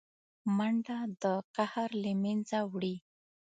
منډه د قهر له منځه وړي